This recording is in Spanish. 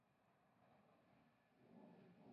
Quimeras y Visiones en la Aldea Global".